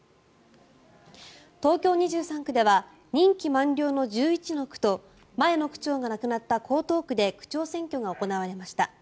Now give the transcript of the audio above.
東京２３区では任期満了の１１の区と前の区長が亡くなった江東区で区長選挙が行われました。